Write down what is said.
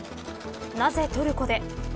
なぜトルコで。